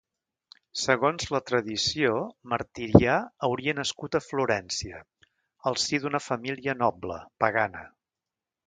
Segons la tradició, Martirià hauria nascut a Florència, al si d'una família noble, pagana.